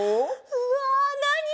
うわなに？